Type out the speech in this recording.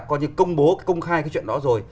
công bố công khai cái chuyện đó rồi